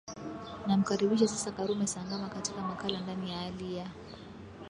namkaribisha sasa karume sangama katika makala ndani ya alia